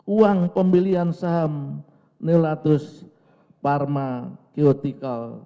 uang pembelian saham neuratus pharmaceutical